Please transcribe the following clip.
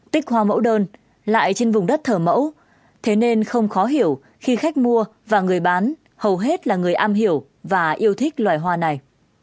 tích hoa mẫu đơn lại trên vùng đất thờ mẫu thế nên không khó hiểu khi khách mua và người bán hầu hết là người am hiểu và yêu thích loài hoa này